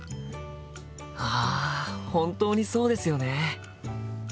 あ本当にそうですよね！